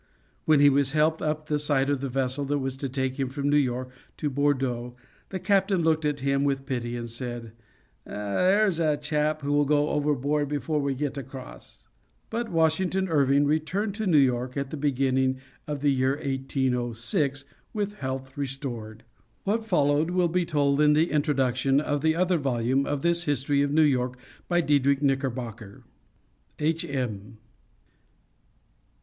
When he was helped up the side of the vessel that was to take him from New York to Bordeaux, the captain looked at him with pity and said, "There's a chap who will go overboard before we get across." But Washington Irving returned to New York at the beginning of the year 1806 with health restored. What followed will be told in the Introduction to the other volume of this History of New York, by Diedrich Knickerbocker. H.M.